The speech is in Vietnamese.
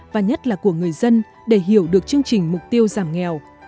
và nhất là của người dân để hiểu được chương trình mục tiêu giảm nghèo